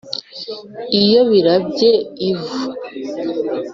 Iyo birabye ivu